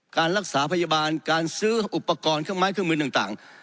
การรักษาพยาบาลการซื้ออุปกรณ์เครื่องไม้เครื่องมือต่าง